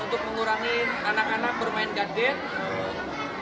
untuk mengurangi anak anak bermain gadget